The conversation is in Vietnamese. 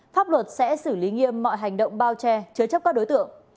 pháp luật sẽ xử lý nghiêm mọi hành động bao che chứa chấp các đối tượng